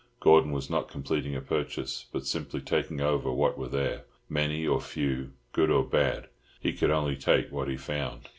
Gordon was not completing a purchase, but simply taking over what were there—many or few; good or bad, he could only take what he found.